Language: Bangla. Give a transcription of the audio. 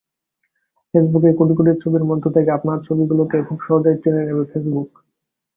ফেসবুকে কোটি কোটি ছবির মধ্যে থেকে আপনার ছবিগুলোকে খুব সহজেই চিনে নেবে ফেসবুক।